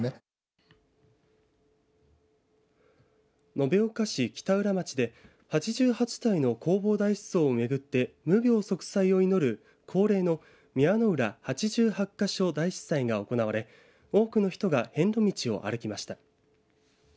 延岡市北浦町で８８体の弘法大師像を巡って無病息災を祈る恒例の宮野浦八十八ヶ所大師祭が行われ多くの人が遍路道を歩きました。